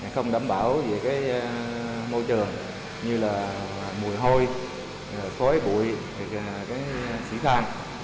không đảm bảo về môi trường như mùi hôi khói bụi xỉ than